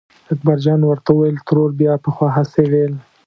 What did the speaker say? اکبرجان ورته وویل ترور بیا پخوا هسې ویل.